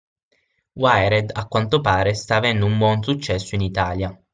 Wired a quanto pare sta avendo un buon successo in Italia